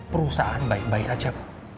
perusahaan baik baik aja